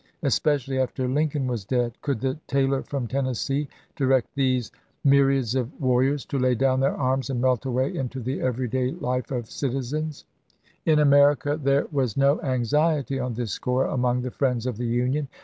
Especially after Lincoln was dead, could the tailor from Tennessee direct these myr iads of warriors to lay down their arms and melt away into the everyday life of citizens ? In Amer ica there was no anxiety on this score among the friends of the Union.